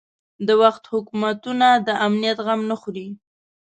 د وخت حکومتونه د امنیت غم نه خوري.